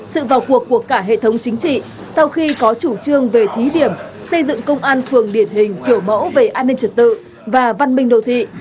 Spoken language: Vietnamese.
sự vào cuộc của cả hệ thống chính trị sau khi có chủ trương về thí điểm xây dựng công an phường điển hình kiểu mẫu về an ninh trật tự và văn minh đồ thị